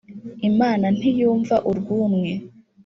Imana ntiyumva urwumwe